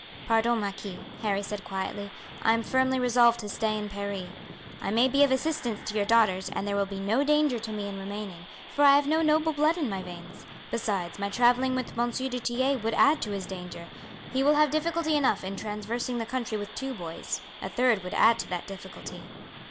"Pardon, marquis," Harry said quietly, "I am firmly resolved to stay in Paris. I may be of assistance to your daughters, and there will be no danger to me in remaining, for I have no noble blood in my veins. Besides, my travelling with M. du Tillet would add to his danger. He will have difficulty enough in traversing the country with two boys; a third would add to that difficulty."